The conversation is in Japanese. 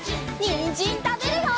にんじんたべるよ！